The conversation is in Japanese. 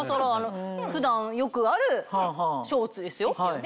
普段よくあるショーツですよ。